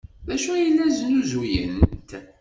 D acu ay la snuzuyent?